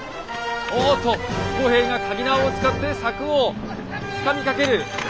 おおっと工兵がかぎ縄を使って柵をつかみかける。